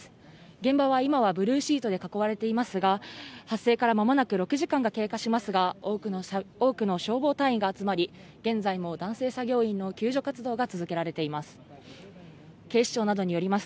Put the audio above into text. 現場は今はブルーシートで囲われていますが、発生からまもなく６時間が経過しますが、多くの消防隊員が集まり、現在も男性作業員の救助活動が続けられています。